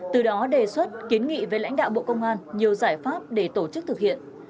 từ đó đề xuất kiến nghị với lãnh đạo bộ công an nhiều giải pháp để tổ chức thực hiện